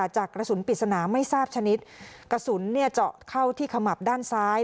จากกระสุนปริศนาไม่ทราบชนิดกระสุนเนี่ยเจาะเข้าที่ขมับด้านซ้าย